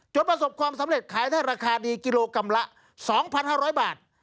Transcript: ประสบความสำเร็จขายได้ราคาดีกิโลกรัมละ๒๕๐๐บาท